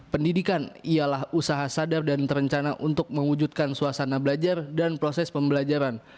pendidikan ialah usaha sadar dan terencana untuk mewujudkan suasana belajar dan proses pembelajaran